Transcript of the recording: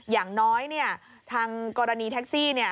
อย่างน้อยเนี่ยทางกรณีแท็กซี่เนี่ย